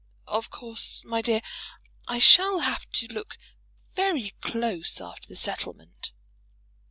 "Of course, my dear, I shall have to look very close after the settlement."